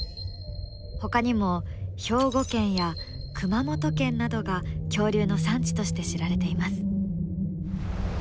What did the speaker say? ほかにも兵庫県や熊本県などが恐竜の産地として知られています。